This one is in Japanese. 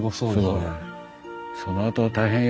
そのあとは大変よ。